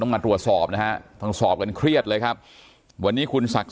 มาตรวจสอบนะฮะต้องสอบกันเครียดเลยครับวันนี้คุณศักดิ์